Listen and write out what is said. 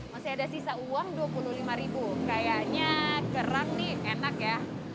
masih ada sisa uang rp dua puluh lima ribu kayaknya kerang nih enak ya